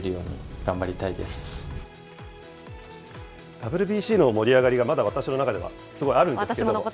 ＷＢＣの盛り上がりが、まだ私の中ではすごいあるんですけど。